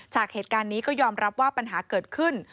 จากเหตุการณ์นี้ก็ยอมรับว่าปัญหาเกิดขึ้น